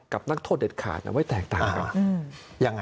นักโทษเด็ดขาดไม่แตกต่าง